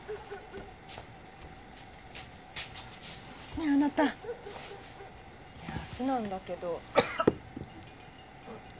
ねえあなた明日なんだけど。